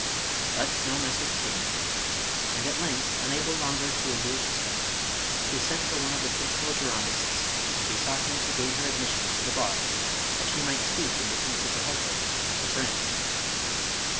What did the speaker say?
But no message came, and at length unable longer to endure suspense, she sent for one of the principal Girondists, and besought him to gain her admission to the bar that she might speak in defence of her ljusband and her friends.